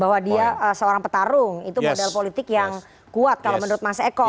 bahwa dia seorang petarung itu modal politik yang kuat kalau menurut mas eko